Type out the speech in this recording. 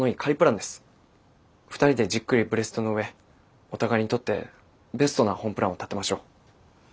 ２人でじっくりブレストの上お互いにとってベストな本プランを立てましょう。